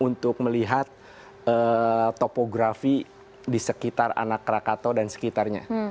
untuk melihat topografi di sekitar anak krakato dan sekitarnya